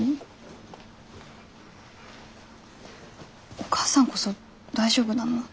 お母さんこそ大丈夫なの？